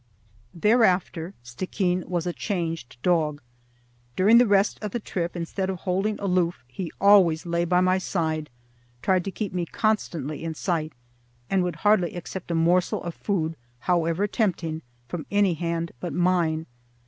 Thereafter Stickeen was a changed dog. During the rest of the trip, instead of holding aloof, he always lay by my side, tried to keep me constantly in sight, and would hardly accept a morsel of food, however tempting, from any hand but mine.